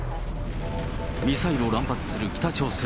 ミサイルを乱発する北朝鮮。